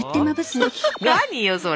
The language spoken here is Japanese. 何よそれ。